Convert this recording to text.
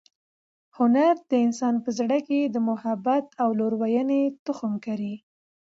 هنر د انسان په زړه کې د محبت او لورینې تخم کري.